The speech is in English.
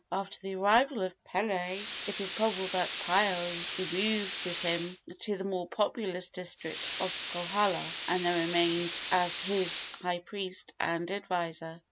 After the arrival of Pili it is probable that Paao removed with him to the more populous district of Kohala, and there remained as his high priest and adviser.